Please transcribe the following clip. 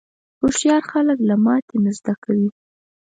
هوښیار خلک له ماتې نه زده کوي.